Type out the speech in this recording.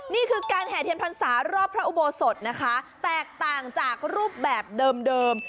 นี่คือการแห่เทียนพรรษารอบพระอุโบสถนะคะแตกต่างจากรูปแบบเดิม